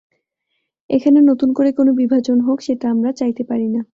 এখানে নতুন করে কোনো বিভাজন হোক, সেটা আমরা চাইতে পারি না।